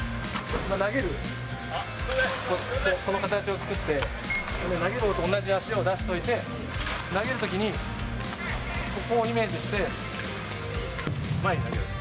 投げるこの形を作って、投げるほうと同じ足を出しといて、投げるときにここをイメージして、前に投げる。